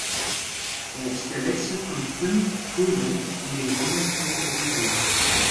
Er ist der letzte von fünf Filmen um den Wunder-Käfer "Dudu".